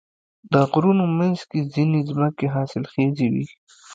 د غرونو منځ کې ځینې ځمکې حاصلخیزې وي.